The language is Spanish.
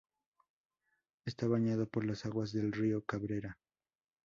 Está bañado por las aguas del río Cabrera.